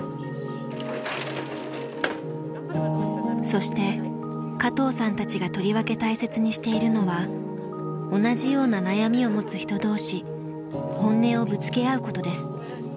そして加藤さんたちがとりわけ大切にしているのは同じような悩みを持つ人同士本音をぶつけ合うことです。